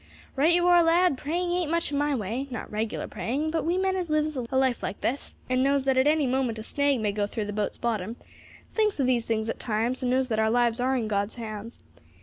"Right you are, lad; praying ain't much in my way not regular praying; but we men as lives a life like this, and knows that at any moment a snag may go through the boat's bottom, thinks of these things at times, and knows that our lives are in God's hands.